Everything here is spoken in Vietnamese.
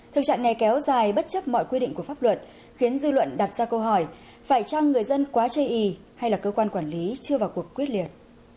thực trạng này kéo dài bất chấp mọi quy định của pháp luật khiến dư luận đặt ra câu hỏi phải chăng người dân quá chây ý hay là cơ quan quản lý chưa vào cuộc quyết liệt